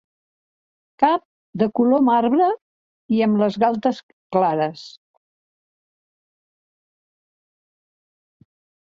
Cap de color marbre i amb les galtes clares.